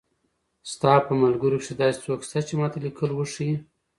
ستا په ملګرو کښې داسې څوک شته چې ما ته ليکل وښايي